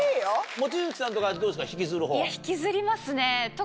望月さんとかどうですか？